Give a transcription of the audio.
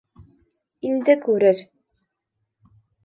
Инде күрер.